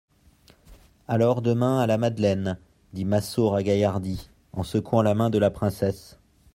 Alors, demain, à la Madeleine, dit Massot ragaillardi, en secouant la main de la princesse.